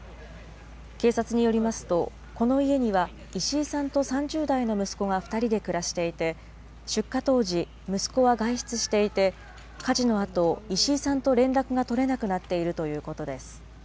警察によりますと、この家には石井さんと３０代の息子が２人で暮らしていて、出火当時、息子は外出していて、火事のあと、石井さんと連絡が取れなくなっているということです。